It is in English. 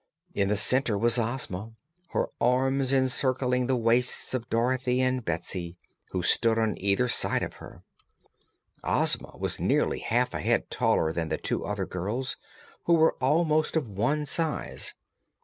In the center was Ozma, her arms encircling the waists of Dorothy and Betsy, who stood on either side of her. Ozma was nearly half a head taller than the two other girls, who were almost of one size.